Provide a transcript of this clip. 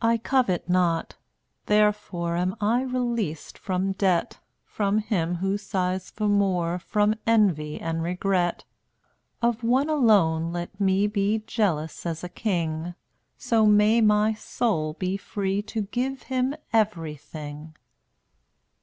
202 I covet not, therefore Am I released from debt — From him who sighs for more, From Envy and Regret. Of one alone let me Be jealous as a king, So may my soul be free To give Him everything.